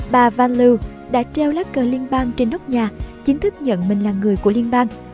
bà van loo đã treo lá cờ liên bang trên nóc nhà chính thức nhận mình là người của liên bang